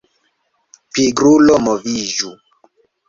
Pigrulo moviĝu!